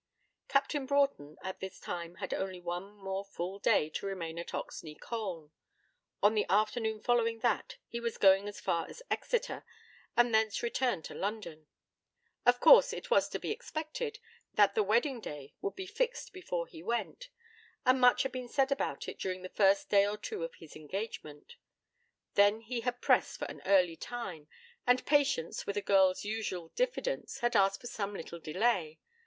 Captain Broughton at this time had only one more full day to remain at Oxney Colne. On the afternoon following that he was to go as far as Exeter, and thence return to London. Of course it was to be expected, that the wedding day would be fixed before he went, and much had been said about it during the first day or two of his engagement. Then he had pressed for an early time, and Patience, with a girl's usual diffidence, had asked for some little delay.